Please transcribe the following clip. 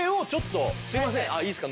いいですか？